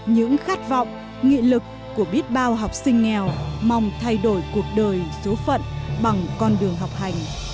những khát vọng nghị lực của biết bao học sinh nghèo mong thay đổi cuộc đời số phận bằng con đường học hành